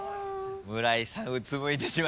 村井さんうつむいてしまいました。